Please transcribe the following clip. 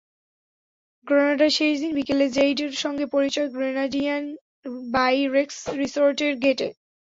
গ্রেনাডায় শেষ দিন বিকেলে জেইডের সঙ্গে পরিচয় গ্রেনাডিয়ান বাই রেক্স রিসোর্টের গেটে।